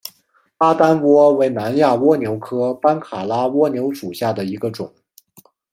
巴丹蜗为南亚蜗牛科班卡拉蜗牛属下的一个种。